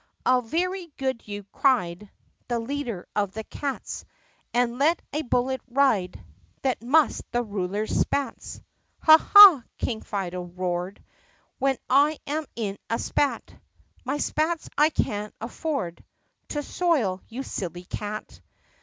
"I 'll 'very good' you !" cried The leader of the cats And let a bullet ride That mussed the ruler's spats. "Ha ! ha !" King Fido roared, "When I am in a spat My spats I can afford To soil, you silly cat